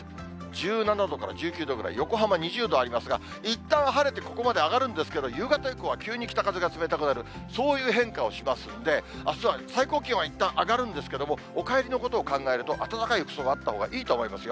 １７度から１９度ぐらい、横浜２０度ありますが、いったん晴れてここまで上がるんですけど、夕方以降は急に北風が冷たくなる、そういう変化をしますんで、あすは最高気温はいったん上がるんですけれども、お帰りのことを考えると、暖かい服装があったほうがいいと思いますよ。